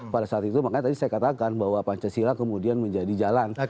pada saat itu makanya tadi saya katakan bahwa pancasila kemudian menjadi jalan